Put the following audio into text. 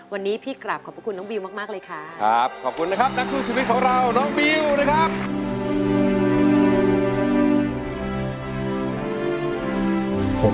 วันนี้พี่กราบขอบพระคุณน้องบิวมากเลยค่ะครับขอบคุณนะครับนักสู้ชีวิตของเราน้องบิวนะครับ